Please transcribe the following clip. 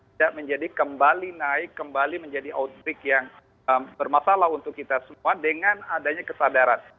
tidak menjadi kembali naik kembali menjadi outbreak yang bermasalah untuk kita semua dengan adanya kesadaran